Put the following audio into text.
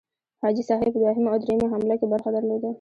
حاجي صاحب په دوهمه او دریمه حمله کې برخه درلوده.